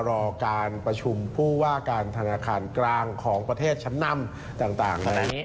รอการประชุมผู้ว่าการธนาคารกลางของประเทศชั้นนำต่างอะไรอย่างนี้